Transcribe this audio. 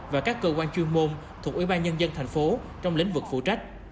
và các cơ quan chuyên môn thuộc ủy ban nhân dân thành phố trong lĩnh vực phụ trách